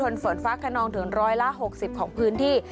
ปริมณฑลฝนฟ้าคนองถึง๑๖๐ของพื้นที่